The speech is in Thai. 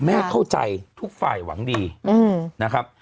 เข้าใจทุกฝ่ายหวังดีนะครับ